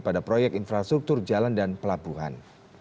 pada proyek infrastruktur jalan dan pelabuhan